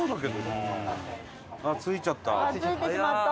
あっ着いちゃった。